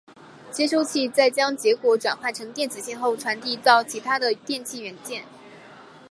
接收器再将结果转换成电子信号传递到其它的电气元件。